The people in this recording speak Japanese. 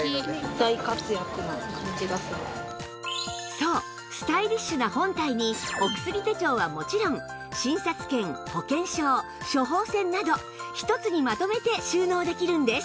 そうスタイリッシュな本体にお薬手帳はもちろん診察券保険証処方箋など１つにまとめて収納できるんです